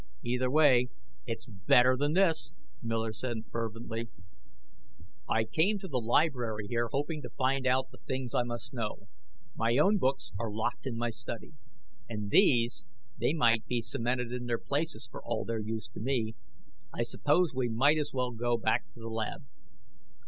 "Either way, it's better than this!" Miller said fervently. "I came to the library here, hoping to find out the things I must know. My own books are locked in my study. And these they might be cemented in their places, for all their use to me. I suppose we might as well go back to the lab."